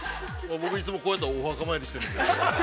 ◆僕、いつも、こうやってお墓参りしてるんで。